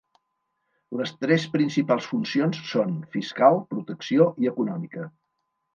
Les tres principals funcions són: fiscal, protecció i econòmica.